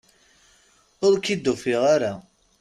Ur ak-id-ufiɣ ara!